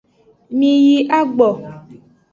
Mi yi agbo.